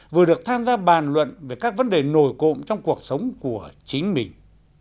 vừa được tham gia bàn luận về các vấn đề nổi cộng trong cuộc sống của chính mình